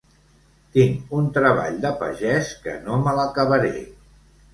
Tinc un treball de pagès que no me l'acabaré.